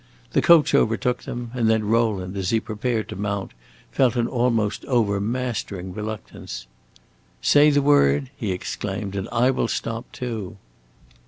The coach overtook them, and then Rowland, as he prepared to mount, felt an almost overmastering reluctance. "Say the word," he exclaimed, "and I will stop too."